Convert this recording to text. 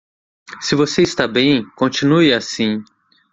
Se você está bem, continue assim.